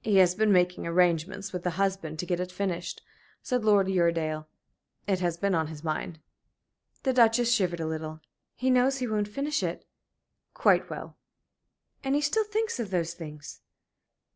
"He has been making arrangements with the husband to get it finished," said Lord Uredale; "it has been on his mind." The Duchess shivered a little. "He knows he won't finish it?" "Quite well." "And he still thinks of those things?"